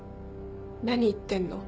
何言ってんの？